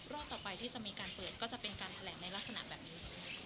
รอต่อไปที่จะมีการเปิดก็จะเป็นการแผนในลักษณะแบบนี้หรือเปล่า